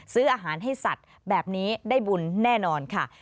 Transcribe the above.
ซื้ออาหารให้สัตว์แบบนี้ได้บุญแน่นอนค่ะ